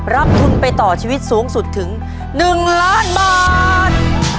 รับทุนไปต่อชีวิตสูงสุดถึง๑ล้านบาท